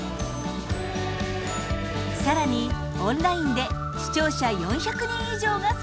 更にオンラインで視聴者４００人以上が参加。